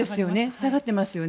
下がってますよね。